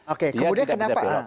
oke kemudian kenapa pak